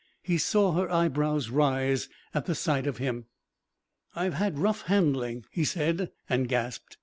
He saw her eyebrows rise at the sight of him. "I've had rough handling," he said, and gasped.